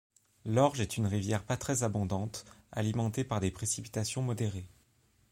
L'Orge est une rivière pas très abondante, alimentée par des précipitations modérées.